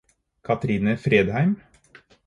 Katrine Fredheim